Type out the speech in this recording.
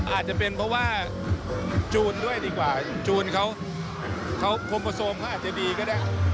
อาจจะเป็นเพราะว่าจูนด้วยดีกว่าจูนเขาโคมผสมเขาอาจจะดีก็ได้